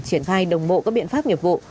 triển khai đồng bộ các biện pháp nghiệp vụ